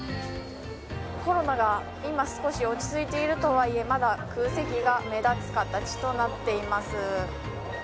コロナが今少し落ち着いているとはいえまだ空席が目立つ形となっています。